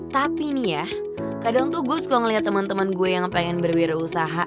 tapi nih ya kadang tuh gua suka ngeliat temen temen gue yang pengen berwira usaha